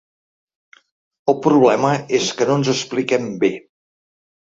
El problema és que no ens expliquem bé.